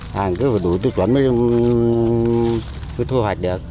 hàng cứ đủ tích chuẩn mới thu hoạch được